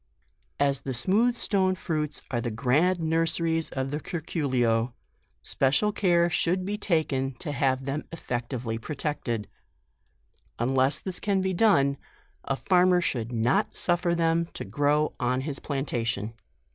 » As the smooth stone fruits are the grand nurseries of the curculio, special care should be taken to have them effectually protected. Unless this can be done, a farmer should not suifer them to grow on his plantation.